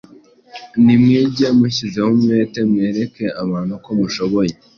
Nimwige mushyizeho umwete mwereke abantu ko mushoboye.